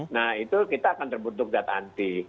nah itu kita akan terbentuk data anti